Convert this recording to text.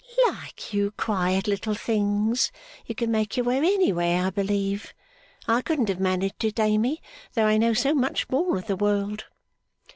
'Like you quiet little things! You can make your way anywhere, I believe. I couldn't have managed it, Amy, though I know so much more of the world.